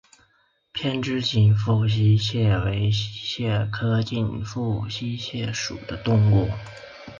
扁肢紧腹溪蟹为溪蟹科紧腹溪蟹属的动物。